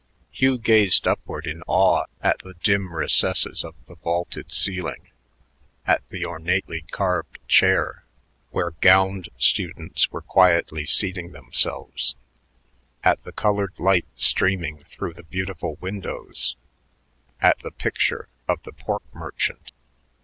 Hugh gazed upward in awe at the dim recesses of the vaulted ceiling, at the ornately carved choir where gowned students were quietly seating themselves, at the colored light streaming through the beautiful windows, at the picture of the pork merchant.